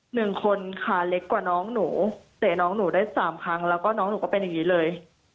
หนึ่งคนค่ะเล็กกว่าน้องหนูเตะน้องหนูได้สามครั้งแล้วก็น้องหนูก็เป็นอย่างนี้เลย